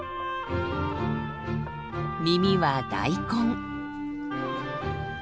耳は大根。